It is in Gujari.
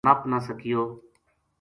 نپ نہ سکیو